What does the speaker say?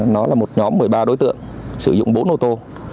nó là một nhóm một mươi ba đối tượng sử dụng bốn ô tô